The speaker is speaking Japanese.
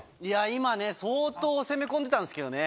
今ね相当攻め込んでたんですけどね。